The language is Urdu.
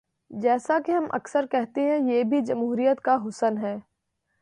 جیسا کہ ہم اکثر کہتے ہیں، یہ بھی جمہوریت کا حسن ہے۔